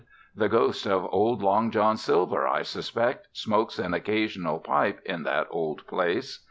The ghost of old Long John Silver, I suspect, smokes an occasional pipe in that old place.